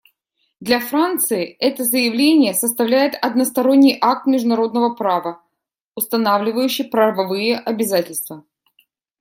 Для Франции это заявление составляет односторонний акт международного права, устанавливающий правовые обязательства.